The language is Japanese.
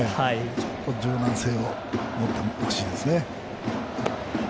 ちょっと柔軟性を持ってほしいです。